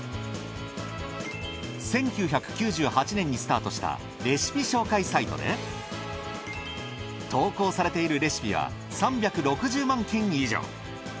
１９９８年にスタートしたレシピ紹介サイトで投稿されているレシピは３６０万件以上。